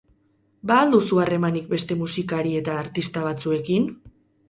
Ba al duzu harremanik beste musikari eta artista batzuekin?